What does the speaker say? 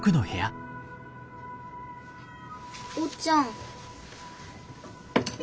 おっちゃん。